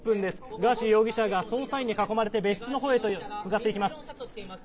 ガーシー容疑者が捜査員に囲まれて別室のほうへと向かっていきます。